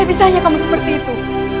bisanya kamu seperti itu